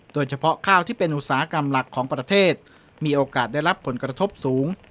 โดยเฉพาะข้าวที่เป็นอุตสาหกรรมหลักของประเทศมีโอกาสได้รับผลกระทบสูง